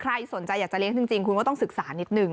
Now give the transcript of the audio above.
ใครสนใจอยากจะเลี้ยงจริงคุณก็ต้องศึกษานิดนึง